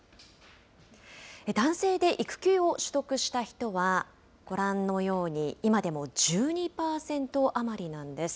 男性で育休を取得した人は、ご覧のように、今でも１２％余りなんです。